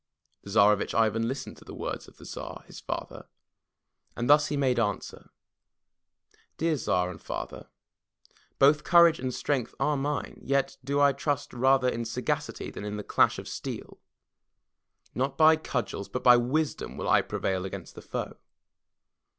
'' The Tsarevitch Ivan listened to the words of the Tsar, his father, and thus he made answer: "Dear Tsar and father, both courage and strength are mine, yet do I trust rather in sagacity than in the clash of steel. Not by cudgels but by wisdom will I prevail against the foe.